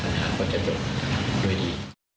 ปัญหาก็จะจบด้วยดี